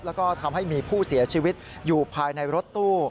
แล้วก็ทำให้มีผู้เสียชีวิตอยู่ภายในรถตู้